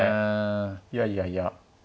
いやいやいや。